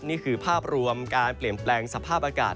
นี่คือภาพรวมการเปลี่ยนแปลงสภาพอากาศ